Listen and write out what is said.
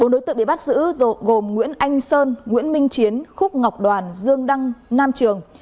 bốn đối tượng bị bắt giữ gồm nguyễn anh sơn nguyễn minh chiến khúc ngọc đoàn dương đăng nam trường